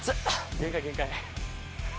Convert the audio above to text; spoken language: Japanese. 限界、限界。